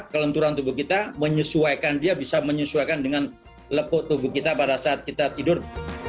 kelenturan tubuh kita menyesuaikan dia bisa menyesuaikan dengan lepuk tubuh kita pada saat kita tidur